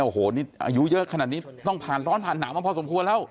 โอ้โฮอายุเยอะขนาดนี้พันร้อนพันห้าแล้วก็พอสมควรแล้ว